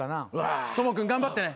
トモ君頑張ってね。